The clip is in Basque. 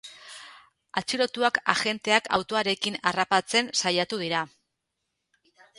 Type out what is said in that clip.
Atxilotuak agenteak autoarekin harrapatzen saiatu dira.